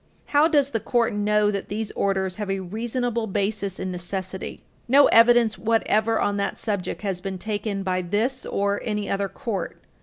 How does the Court know that these orders have a reasonable basis in necessity? No evidence whatever on that subject has been taken by this or any other court.